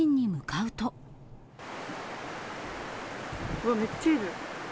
うわっ、めっちゃいる。